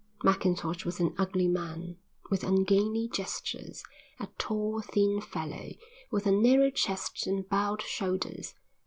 Mackintosh was an ugly man, with ungainly gestures, a tall thin fellow, with a narrow chest and bowed shoulders.